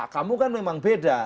kamu kan memang beda